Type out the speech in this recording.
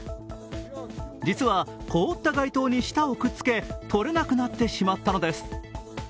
実は凍った街灯に舌をくっつけとれなくなってしまったのです。